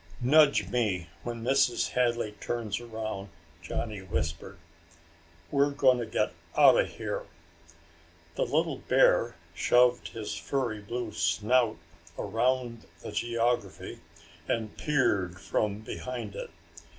"Nudge me when Mrs. Hadley turns around," Johnny whispered. "We're gonna get out of here!" The little bear shoved his furry blue snout around the geography and peered from behind it.